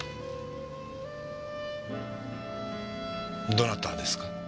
どなたですか？